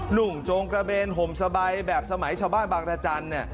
หนุ่มโจงกระเบนห่มสบายแบบสมัยชาวบ้านบางรจันทร์เนี่ย